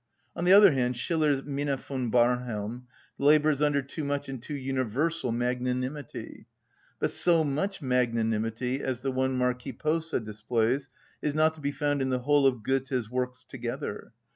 On the other hand, Schiller's "Minna von Barnhelm" labours under too much and too universal magnanimity; but so much magnanimity as the one Marquis Posa displays is not to be found in the whole of Goethe's works together.